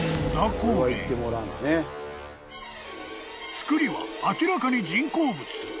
［造りは明らかに人工物］